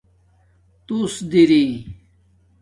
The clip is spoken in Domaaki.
توس دری